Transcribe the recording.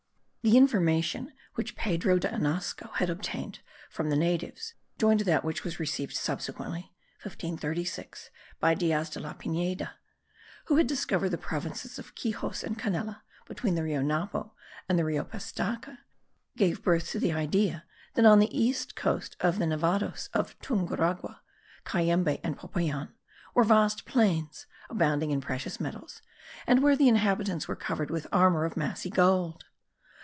The information which Pedro de Anasco had obtained from the natives, joined to that which was received subsequently (1536) by Diaz de Pineda, who had discovered the provinces of Quixos and Canela, between the Rio Napo and the Rio Pastaca, gave birth to the idea that on the east of the Nevados of Tunguragua, Cayambe, and Popayan, were vast plains, abounding in precious metals, and where the inhabitants were covered with armour of massy gold.